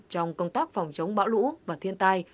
trong công tác phòng chống bão lũ và thiên tai